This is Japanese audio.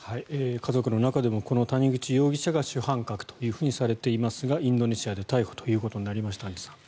家族の中でも谷口容疑者が主犯格とされていますがインドネシアで逮捕ということになりました。